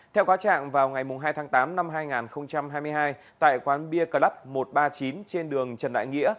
theo cáo trạng vào ngày hai tháng tám năm hai nghìn hai mươi hai tại quán bia club một trăm ba mươi chín trên đường trần đại nghĩa